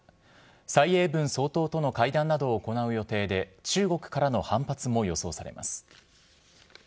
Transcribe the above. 蔡英文総統との会談などを行う予定で、中国からの反発も予想されます。